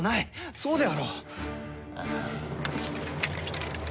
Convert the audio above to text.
そうであろう？